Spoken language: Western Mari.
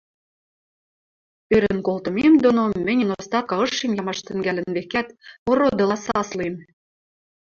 Ӧрӹн колтымем доно мӹньӹн остатка ышем ямаш тӹнгӓлӹн, векӓт, ородыла саслем: